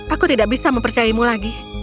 aku tidak bisa mempercayaimu lagi